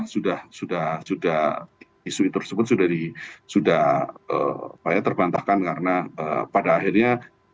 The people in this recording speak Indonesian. sudah sudah isu itu tersebut sudah terbantahkan karena pada akhirnya